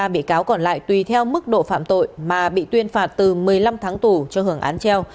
ba bị cáo còn lại tùy theo mức độ phạm tội mà bị tuyên phạt từ một mươi năm tháng tù cho hưởng án treo